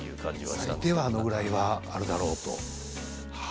最低あれぐらいはあるだろうと。